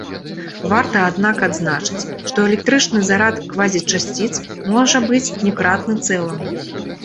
Варта, аднак, адзначыць, што электрычны зарад квазічасціц можа быць не кратны цэламу.